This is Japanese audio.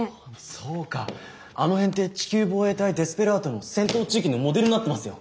そうかあの辺って「地球防衛隊デスペラード」の戦闘地域のモデルになってますよ。